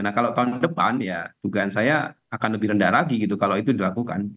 nah kalau tahun depan ya dugaan saya akan lebih rendah lagi gitu kalau itu dilakukan